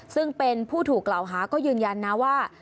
ซึ่งเป็นผู้ถูกกล่าวหาก็ยืนยันนะว่า